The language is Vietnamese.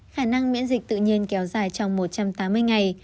khả năng miễn dịch tự nhiên kéo dài trong một trăm tám mươi ngày